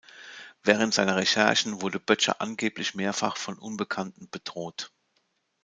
Während seiner Recherchen wurde Boettcher angeblich mehrfach von Unbekannten bedroht.